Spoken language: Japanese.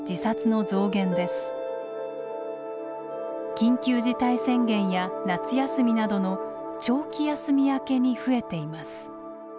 緊急事態宣言や夏休みなどの長期休み明けに増えています。